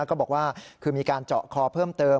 ก็บอกว่าคือมีการเจาะคอเพิ่มเติม